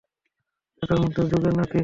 এটা মধ্য যুগের নাকি?